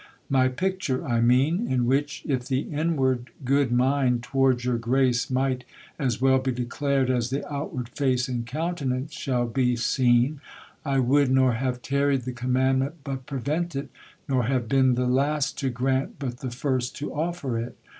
My pictur I mene, in wiche if the inward good mynde towarde your grace might as wel be declared as the outwarde face and countenance shal be seen, I wold nor haue taried the comandement but prevent it, nor haue bine the last to graunt but the first to offer it.